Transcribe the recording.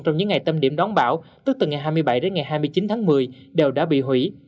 trong những ngày tâm điểm đón bão tức từ ngày hai mươi bảy đến ngày hai mươi chín tháng một mươi đều đã bị hủy